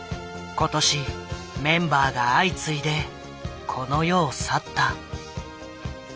今年メンバーが相次いでこの世を去った。